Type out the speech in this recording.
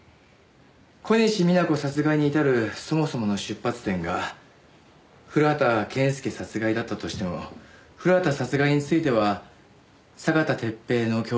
小西皆子殺害に至るそもそもの出発点が古畑健介殺害だったとしても古畑殺害については酒田鉄平の供述しかない。